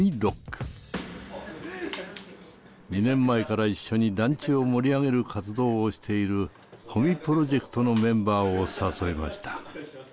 ２年前から一緒に団地を盛り上げる活動をしている保見プロジェクトのメンバーを誘いました。